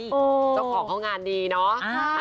เจ้าของเขางานดีเนาะ